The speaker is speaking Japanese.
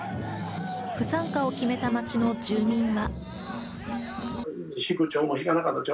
不参加を決めた町の住民は。